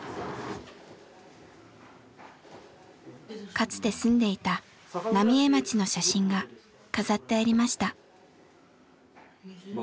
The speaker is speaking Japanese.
かつて住んでいた浪江町の写真が飾ってありました。